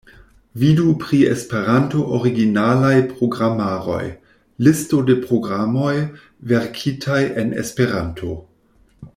Vidu pri esperanto-originalaj programaroj: Listo de programoj verkitaj en Esperanto.